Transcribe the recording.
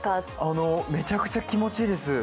めちゃくちゃ気持ちいいです。